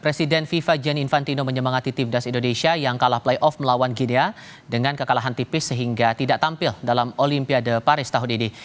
presiden fifa jenny infantino menyemangati timnas indonesia yang kalah playoff melawan gidea dengan kekalahan tipis sehingga tidak tampil dalam olimpiade paris tahun ini